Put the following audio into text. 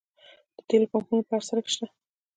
د تیلو پمپونه په هر سړک شته